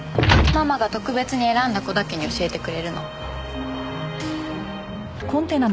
ママが特別に選んだ子だけに教えてくれるの。